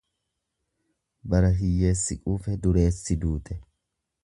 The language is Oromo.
Bara hiyyeessi quufe dureessi duute.